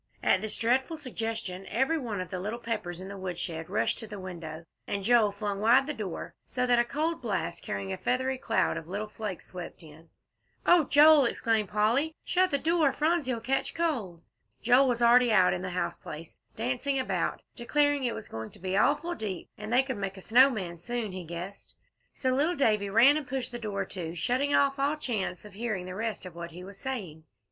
At this dreadful suggestion, every one of the little Peppers in the woodshed rushed to the window, and Joel flung wide the door, so that a cold blast, carrying a feathery cloud of little flakes, swept in. "Oh, Joel!" exclaimed Polly, "shut the door, Phronsie'll catch cold." Joel was already out in the house place, dancing about, declaring it was going to be awful deep, and they could make a snow man soon, he guessed; so little Davie ran and pushed to the door, shutting off all chance of hearing the rest of what he was saying.